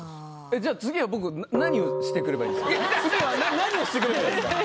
じゃあ次は僕次は何をして来ればいいですか？